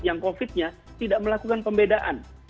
yang covid nya tidak melakukan pembedaan